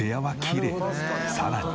さらに。